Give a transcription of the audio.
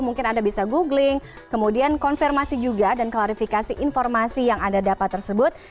mungkin anda bisa googling kemudian konfirmasi juga dan klarifikasi informasi yang anda dapat tersebut